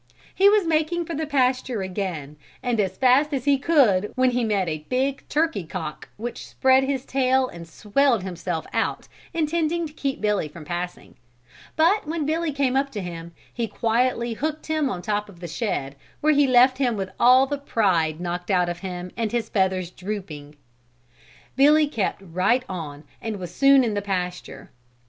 He was making for the pasture again as fast as he could when he met a big turkey cock which spread his tail and swelled himself out intending to keep Billy from passing, but when Billy came up to him he quietly hooked him on top of the shed where he left him with all the pride knocked out of him and his feathers drooping. Billy kept right on and was soon in the pasture.